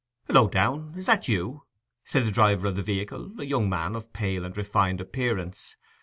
'Hullo, Downe—is that you?' said the driver of the vehicle, a young man of pale and refined appearance.